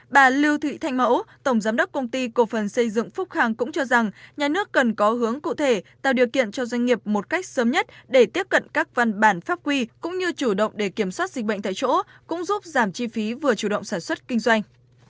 bà lưu thị thanh mẫu tổng giám đốc công ty cổ phần xây dựng phúc hàng cũng cho rằng nhà nước cần có hướng cụ thể tạo điều kiện cho doanh nghiệp một cách sớm nhất để tiếp cận các văn bản pháp quy cũng như chủ động để kiểm soát dịch bệnh tại chỗ cũng giúp giảm chi phí vừa chủ động sản xuất kinh doanh